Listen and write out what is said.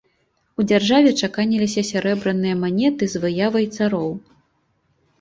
У дзяржаве чаканіліся сярэбраныя манеты з выявай цароў.